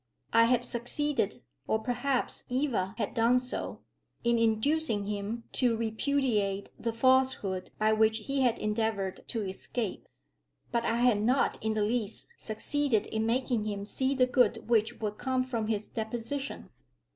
I had succeeded, or perhaps Eva had done so, in inducing him to repudiate the falsehood by which he had endeavoured to escape. But I had not in the least succeeded in making him see the good which would come from his deposition.